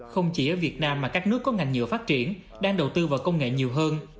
không chỉ ở việt nam mà các nước có ngành nhựa phát triển đang đầu tư vào công nghệ nhiều hơn